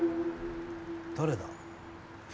誰だ？